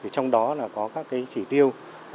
trong đó có các chỉ tiêu